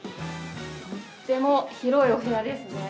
とっても広いお部屋ですね。